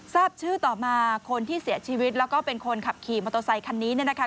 ทราบชื่อต่อมาคนที่เสียชีวิตแล้วก็เป็นคนขับขี่มอเตอร์ไซคันนี้เนี่ยนะคะ